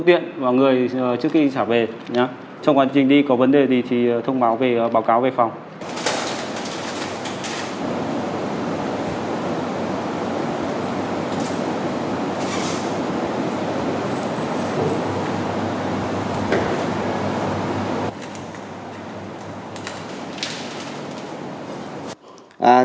trước khi trả về nhé trong quá trình đi có vấn đề gì thì thông báo về báo cáo về phòng ừ ừ